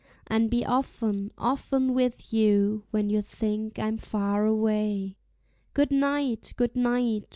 And be often, often with you when you think I'm far away. Good night! good night!